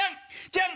ジャン！